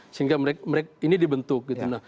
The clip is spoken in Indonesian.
sehingga ini dibentuk